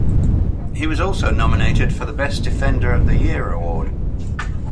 He was also nominated for the best defender of the year award.